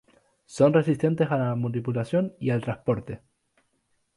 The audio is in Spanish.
Son resistentes a la manipulación y al transporte.